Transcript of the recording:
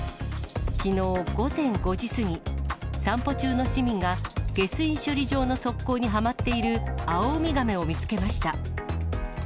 きのう午前５時過ぎ、散歩中の市民が、下水処理場の側溝にはまっているアオウミガメを見つけました。